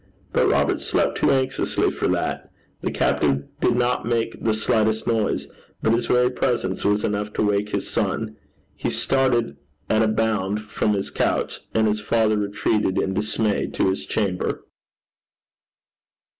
But Robert slept too anxiously for that. The captive did not make the slightest noise, but his very presence was enough to wake his son. He started at a bound from his couch, and his father retreated in dismay to his chamber.